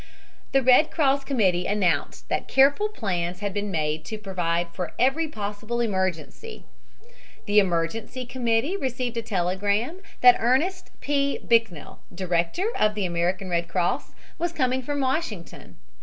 The Red Cross Committee announced that careful plans had been made to provide for every possible emergency. The emergency committee received a telegram that Ernest P. Bicknell, director of the American Red Cross, was coming from Washington.